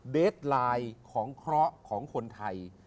เดสไลน์ของเคราะห์ของคนไทย